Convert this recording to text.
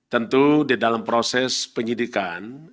tentu di dalam proses penyidikan